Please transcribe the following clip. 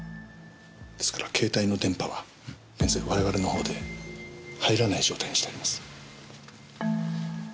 ですから携帯の電波は現在我々の方で入らない状態にしてあります。